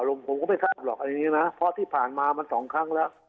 ผมผมก็ไม่ทราบหรอกอันนี้นะเพราะที่ผ่านมามันสองครั้งแล้ว